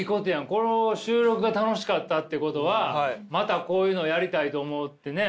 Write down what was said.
この収録が楽しかったっていうことはまたこういうのをやりたいと思ってね